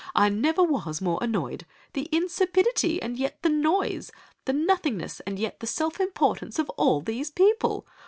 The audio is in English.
I never was more annoyed. The insipidity and yet the noise—the nothingness and yet the self importance of all these people!